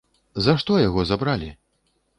За што яго забралі?